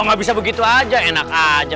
oh gak bisa begitu aja enak aja